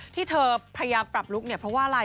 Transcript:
ที่เธอพยายามปรับลุคเนี่ยเพราะว่าอะไร